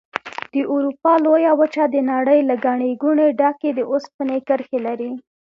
د اروپا لویه وچه د نړۍ له ګڼې ګوڼې ډکې د اوسپنې کرښې لري.